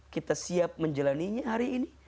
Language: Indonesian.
kita siap menjalaninya hari ini